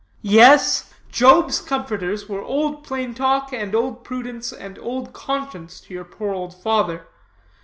Yes, Job's comforters were Old Plain Talk, and Old Prudence, and Old Conscience, to your poor old father.